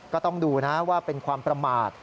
ก็ต้องดูนะว่าเป็นความประมาท